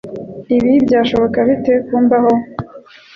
Ibi byashoboka bite kumbaho?